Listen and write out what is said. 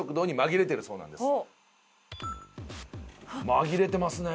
紛れてますね。